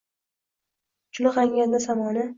Chulg’aganda samoni